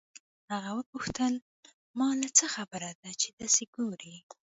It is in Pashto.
هغې وپوښتل مالې څه خبره ده چې دسې ګورې.